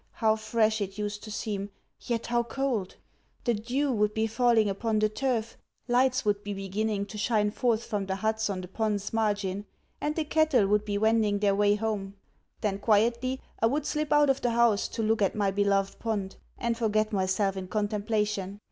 How fresh it used to seem, yet how cold! The dew would be falling upon the turf, lights would be beginning to shine forth from the huts on the pond's margin, and the cattle would be wending their way home. Then quietly I would slip out of the house to look at my beloved pond, and forget myself in contemplation.